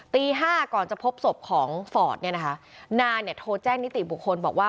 ตีห้าก่อนจะพบศพของฟอร์ดเนี่ยนะคะนานเนี่ยโทรแจ้งนิติบุคคลบอกว่า